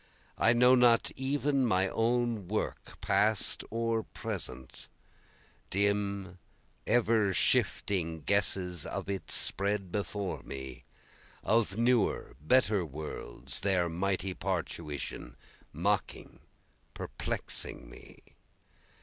I know not even my own work past or present, Dim ever shifting guesses of it spread before me, Of newer better worlds, their mighty parturition, Mocking, perplexing me.